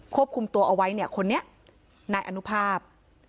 ควบคุมตัวเอาไว้เนี่ยคนนี้นายอนุภาพ